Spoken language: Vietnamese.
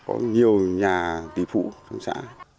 có nhiều nhà tỷ phụ trong xã